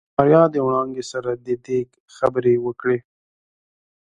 ماريا د وړانګې سره د ديګ خبرې وکړې.